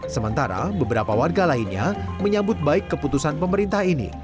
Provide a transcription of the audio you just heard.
sementara beberapa warga lainnya menyambut baik keputusan pemerintah ini